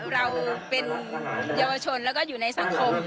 เราเป็นเยาวชนแล้วก็อยู่ในสังคม